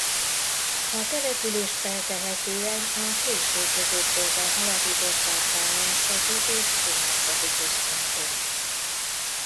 A települést feltehetően a késő középkorban alapították bányászati és kohászati központként.